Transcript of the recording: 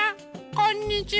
こんにちは。